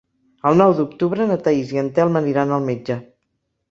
El nou d'octubre na Thaís i en Telm aniran al metge.